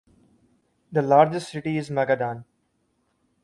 The largest city is Magadan.